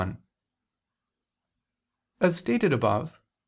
1: As stated above (Q.